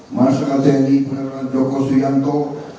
masyarakat tni penagrawan dokosuyanto